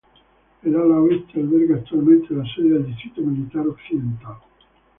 El ala oeste alberga actualmente la sede del Distrito Militar Occidental.